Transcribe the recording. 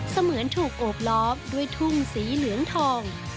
เสมือนถูกโอบล้อมด้วยทุ่งสีเหลืองทอง